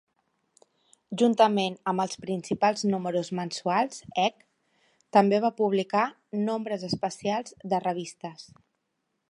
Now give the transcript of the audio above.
Juntament amb els principals números mensuals, "Egg" també va publicar nombres especials de revistes.